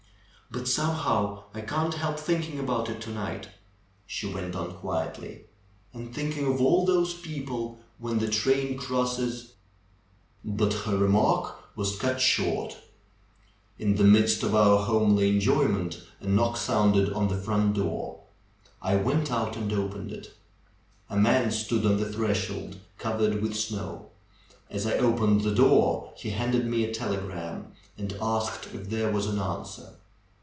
^^But somehow I can't help thinking about it to night," she went on quietly. "And thinking of all those people when the train crosses " But her remark was cut short. In the midst of our homely enjoyment a knock sounded on the front door. I went out and opened it. A man stood on the threshold, covered with snow. As I opened the door he handed me a telegram and asked: if there was an answer.